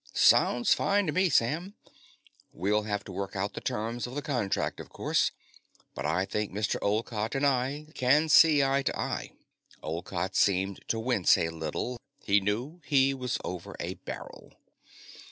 "Sounds fine to me, Sam. We'll have to work out the terms of the contract, of course, but I think Mr. Olcott and I can see eye to eye." Olcott seemed to wince a little. He knew he was over a barrel.